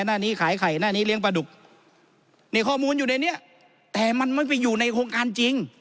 หน้านี้ขายไข่หน้านี้เลี้ยงปลาดุกนี่ข้อมูลอยู่ในเนี้ยแต่มันไม่ไปอยู่ในโครงการจริง